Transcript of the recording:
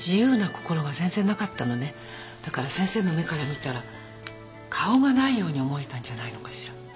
だから先生の目から見たら顔がないように思えたんじゃないのかしら。